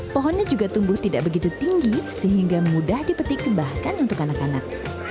pohonnya juga tumbuh tidak begitu tinggi sehingga mudah dipetik bahkan untuk anak anak